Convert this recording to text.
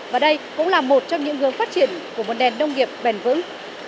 và đây cũng là một trong những hướng phát triển của môn đèn